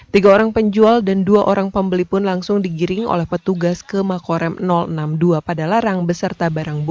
tiga orang penjual dan dua orang pembeli pun langsung digiring oleh petugas ke makorem enam puluh dua